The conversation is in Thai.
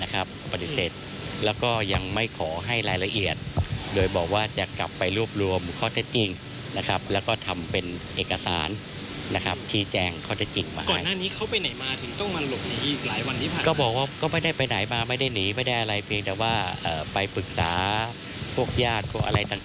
เขาบอกไหมคะว่าเขาเกี่ยวฟ่องกับวันนายังไงบ้าง